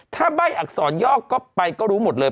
ถ้าใบ้อักษรยอกก็ไปก็รู้หมดเลย